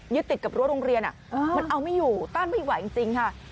ติดกับรั้วโรงเรียนมันเอาไม่อยู่ต้านไม่ไหวจริงค่ะ